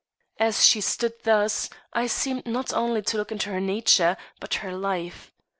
As she stood thus, I seemed not only to look into her nature, but her life.